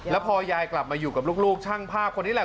แล้วพอยายกลับมาอยู่กับลูกช่างภาพคนนี้แหละ